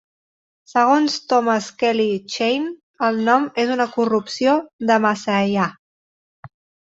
Segons Thomas Kelly Cheyne, el nom és una corrupció de Maaseiah.